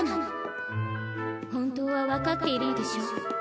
本当は分かっているのでしょう？